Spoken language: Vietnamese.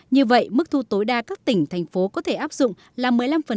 như vậy mức thu tối đa các tỉnh thành phố có thể áp dụng là một mươi năm